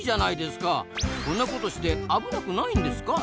こんなことして危なくないんですか？